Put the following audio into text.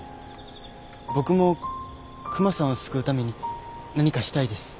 僕もクマさんを救うために何かしたいです。